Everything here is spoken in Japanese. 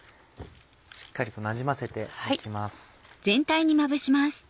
しっかりとなじませて行きます。